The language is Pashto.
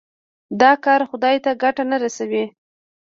دا کار خدای ته ګټه نه رسوي.